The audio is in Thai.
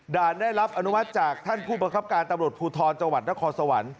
ได้รับอนุมัติจากท่านผู้บังคับการตำรวจภูทรจังหวัดนครสวรรค์